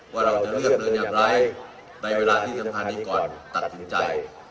ว่าเราจะเลือกเดินอย่างไรในเวลาที่สำคัญก่อนตัดสินใจ